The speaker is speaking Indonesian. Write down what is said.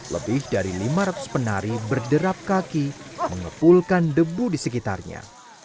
lebih dari lima ratus penari berderap kaki mengepulkan debu di sekitarnya